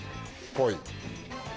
ぽい。